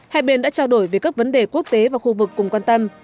hai bên đã trao đổi về các vấn đề quốc tế và khu vực cùng quan tâm